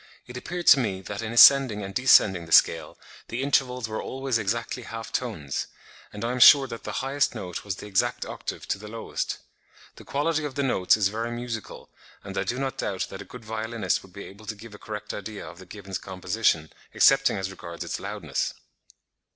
600.), "It appeared to me that in ascending and descending the scale, the intervals were always exactly half tones; and I am sure that the highest note was the exact octave to the lowest. The quality of the notes is very musical; and I do not doubt that a good violinist would be able to give a correct idea of the gibbon's composition, excepting as regards its loudness."